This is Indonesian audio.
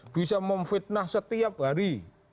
bisa memfitnah setiap hari